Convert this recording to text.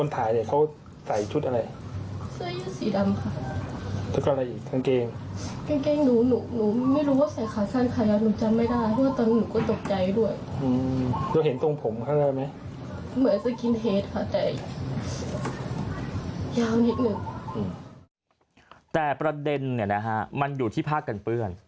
แต่ประเด็นมันอยู่ที่ผ้ากันเปื้อน